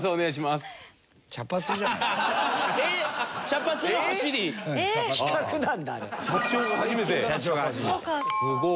すごい。